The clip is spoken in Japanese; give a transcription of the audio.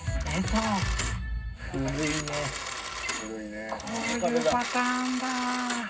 こういうパターンだ。